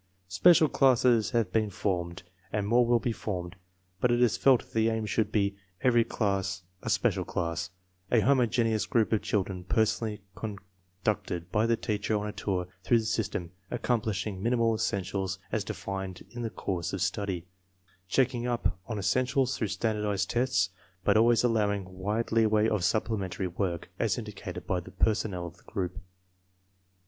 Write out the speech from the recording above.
Special classes have been formed and more will be formed, but it is felt that the aim should be " every class a special class," a homogeneous group of children personally conducted by the teacher on a tour through the system, accomplishing minimum essentials as de fined in the course of study, "checking up " on essentials through standardized tests, but always allowing wide leeway for supplementary work as indicated by the personnel of the group.